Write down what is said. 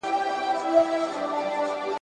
زه به سبزیحات تيار کړي وي؟!